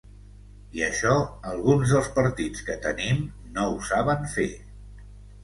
I això, alguns dels partits que tenim, no ho saben fer.